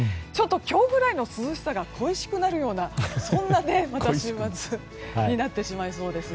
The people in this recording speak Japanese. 今日ぐらいの涼しさが恋しくなるようなそんな週末になってしまいそうです。